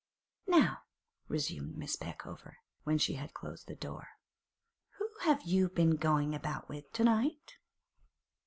'Now,' resumed Miss Peckover, when she had closed the door, 'who have you been goin' about with to night?